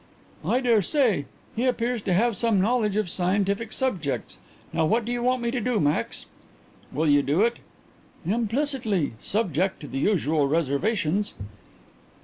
"I dare say. He appears to have some knowledge of scientific subjects. Now what do you want me to do, Max?" "Will you do it?" "Implicitly subject to the usual reservations."